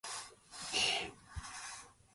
He replaced Benedikt Oskar Oja.